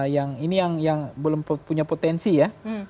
yang ini yang belum punya potensi ya